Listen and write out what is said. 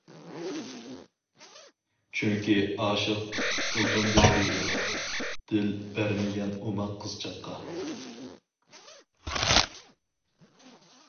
چۈنكى ئاشىق ئۇزۇندىن بېرى، دىل بەرمىگەن ئوماق قىزچاققا.